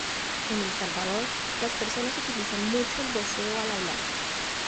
En El Salvador, las personas utilizan mucho el voseo al hablar.